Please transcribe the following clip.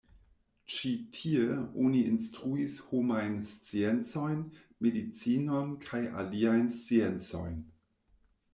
Ĉi tie oni instruis homajn sciencojn, medicinon kaj aliajn sciencojn.